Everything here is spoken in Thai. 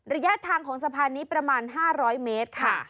ระยะทางของสะพานนี้ประมาณ๕๐๐เมตรค่ะ